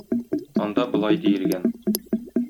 Анда болай диелгән: